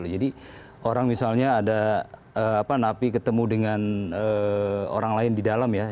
jadi orang misalnya ada napi ketemu dengan orang lain di dalam ya